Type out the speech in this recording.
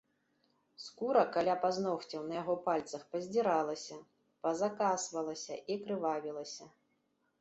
Скура каля пазногцяў на яго пальцах паздзіралася, пазакасвалася і крывавілася.